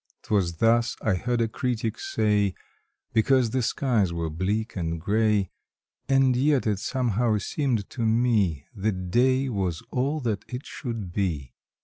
7^ 'Twas thus I heard a critic say Because the skies were bleak and gray — And yet it somehow seemed to me The day was all that it should be.